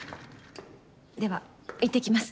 ではいってきます。